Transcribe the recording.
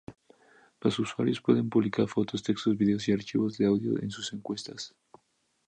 Los usuarios pueden publicar fotos, textos, vídeos y archivos de audio en sus cuentas.